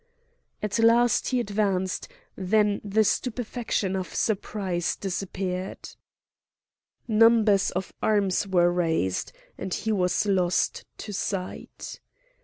At last he advanced; then the stupefaction of surprise disappeared. Numbers of arms were raised, and he was lost to sight.